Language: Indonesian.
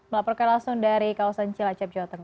melaporkan langsung dari kawasan cilacap jawa tengah